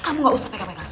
kamu gak usah pegang pegang